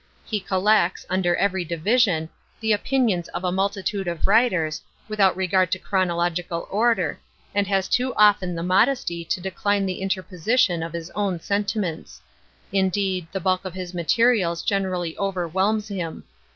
He collects, under every division, the opinions of a multitude of writers, without regard to chronological order, and has too often the modesty to decline the interposition of his own sentiments. Indeed the bulk of his materials generally overwhelms him.